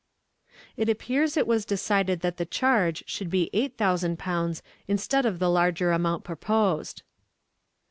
It appears that it was decided that the charge should be eight thousand pounds instead of the larger amount proposed.